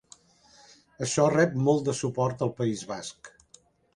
Això rep molt de suport al País Basc.